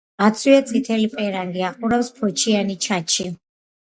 აცვია წითელი პერანგი, ახურავს ფოჩიანი ჩაჩი.